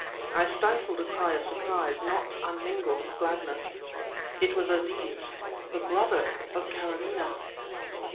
I stifled a cry of surprise, not unmingled with gladness. It was Aziz the brother of Karamaneh!